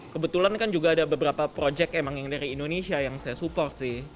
kebetulan kan juga ada beberapa project emang yang dari indonesia yang saya support sih